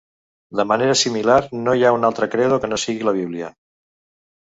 De manera similar, no hi ha un altre credo que no sigui la Bíblia.